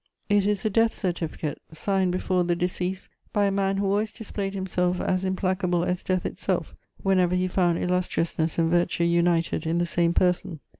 It is a death certificate, signed before the decease by a man who always displayed himself as implacable as death itself, whenever he found illustriousness and virtue united in the same person.